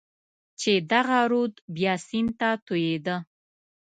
چې دغه رود بیا سیند ته توېېده.